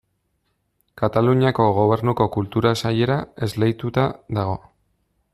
Kataluniako Gobernuko Kultura Sailera esleituta dago.